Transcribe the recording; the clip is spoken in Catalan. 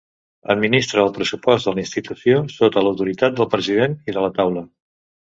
Administra el pressupost de la institució sota l'autoritat del President i de la Taula.